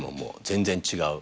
全然違う。